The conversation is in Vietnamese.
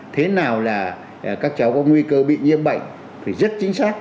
thế nào là các cháu có nguy cơ bị nhiễm bệnh phải rất chính xác